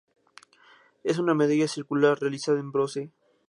Es una medalla circular, realizada en bronce.